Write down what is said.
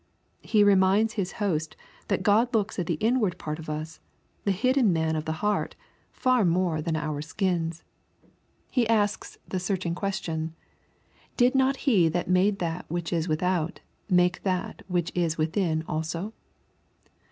He reminds His host that God looks at the inward part of as, the hidden man of the heart, far more than at our 44 EXPOSITORY THOUGHTS. skins. And He asks the searching question, " Did not He that made that which is without, make that which is within also